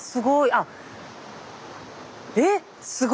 あっ！